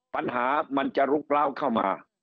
ปัญหามันจะลุกล้าวเข้ามา